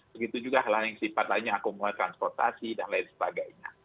begitu juga hal hal yang sifat lainnya akumulasi transportasi dan lain sebagainya